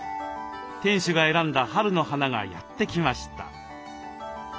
店主が選んだ春の花がやって来ました。